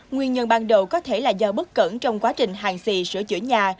nguyên nhân ban đầu có thể là do bất cẩn trong quá trình hàng xì sửa chữa nhà